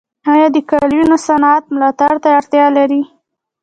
آیا د قالینو صنعت ملاتړ ته اړتیا لري؟